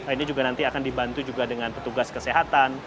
ini juga nanti akan dibantu juga dengan petugas kesehatan